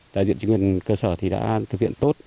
đại diện chính quyền cơ sở thì đã thực hiện tốt